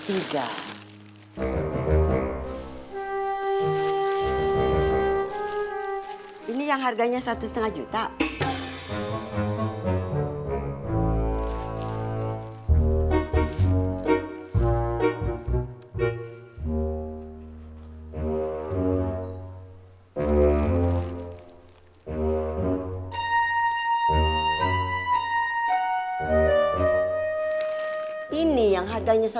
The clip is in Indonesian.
ini yang harganya satu lima juta